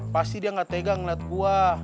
pasti dia gak tega ngeliat gue